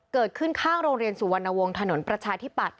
เกิดขึ้นข้างโรงเรียนสุวรรณวงศ์ถนนประชาธิปัตย